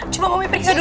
coba mami periksa dulu